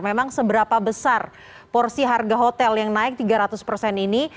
memang seberapa besar porsi harga hotel yang naik tiga ratus persen ini